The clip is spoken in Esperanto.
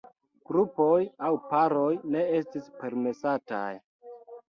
Grupoj aŭ paroj ne estis permesataj.